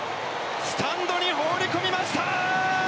スタンドに放り込みました！